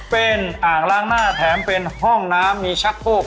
เป็นอ่างล้างหน้าแถมเป็นห้องน้ำมีชักโคก